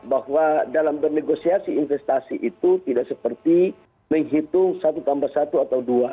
bahwa dalam bernegosiasi investasi itu tidak seperti menghitung satu tambah satu atau dua